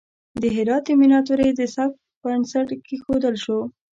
د هرات د میناتوری د سبک بنسټ کیښودل شو.